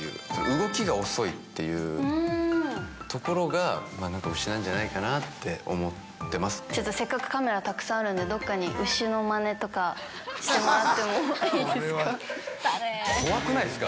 動きが遅いっていうところがなんか牛なんじゃないかなって思ってちょっとせっかくカメラたくさんあるんで、どこかに牛のまねとかしてもらってもいいですか？